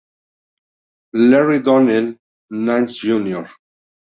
Larry Donnell Nance, Jr.